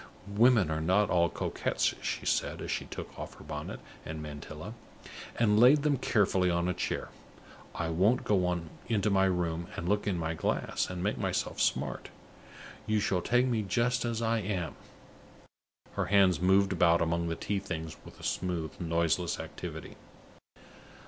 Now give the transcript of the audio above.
"Women are not all coquettes," she said, as she took off her bonnet and mantilla, and laid them carefully on a chair. "I won't go into my room, and look in my glass, and make myself smart; you shall take me just as I am." Her hands moved about among the tea things with a smooth, noiseless activity.